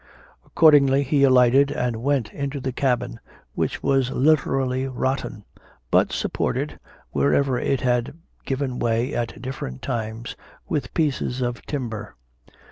Accordingly, he alighted and went into the cabin, which was literally rotten, but supported, wherever it had given way at different times, with pieces of timber.